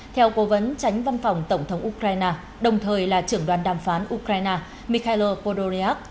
theo cố vấn tránh văn phòng tổng thống ukraine đồng thời là trưởng đoàn đàm phán ukraine mikhail podoriac